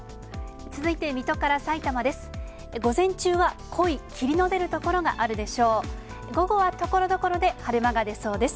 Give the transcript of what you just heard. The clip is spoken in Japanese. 続いて、水戸からさいたまです。